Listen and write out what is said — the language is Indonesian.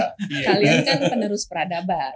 kalian kan penerus peradaban